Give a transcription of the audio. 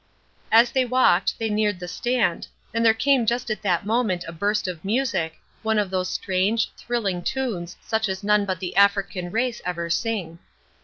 As they walked they neared the stand, and there came just at that moment a burst of music, one of those strange, thrilling tunes such as none but the African race ever sing.